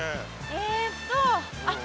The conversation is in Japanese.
ええっとあっ